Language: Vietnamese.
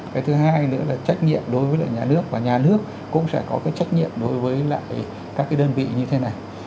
cái thứ hai nữa là trách nhiệm đối với nhà nước và nhà nước cũng sẽ có cái trách nhiệm đối với lại các cái đơn vị như thế này